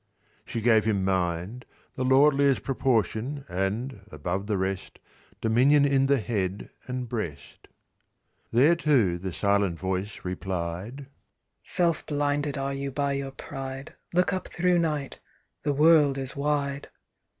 "She gave him mind, the lordliest Proportion, and, above the rest, Dominion in the head and breast." Thereto the silent voice replied; "Self blinded are you by your pride: Look up thro' night: the world is wide.